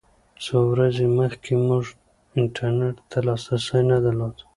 څو ورځې مخکې موږ انټرنېټ ته لاسرسی نه درلود.